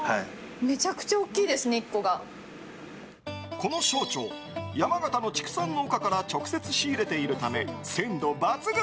この小腸、山形の畜産農家から直接仕入れているため鮮度抜群。